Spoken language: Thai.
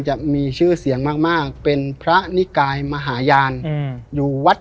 จะมีชื่อเสียงมากมากเป็นพระนิกายมหาญาณอยู่วัด